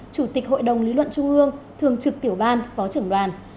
chủ tịch hội đồng lý luận trung ương thường trực tiểu ban phó trưởng đoàn